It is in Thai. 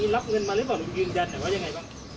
รับเงินมาหรือเปล่าลุงยืนแจนหรือว่าอย่างไรบ้าง